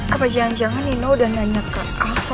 apa jangan jangan nino udah nanya ke al sore enggak ya